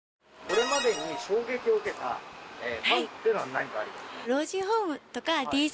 これまでに衝撃を受けたファンっていうのは何かありますか？